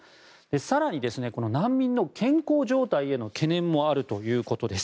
更に、難民の健康状態への懸念もあるということです。